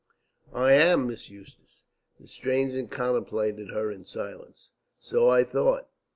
"I am Miss Eustace." The stranger contemplated her in silence. "So I thought."